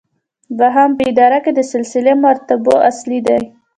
دوهم په اداره کې د سلسله مراتبو اصل دی.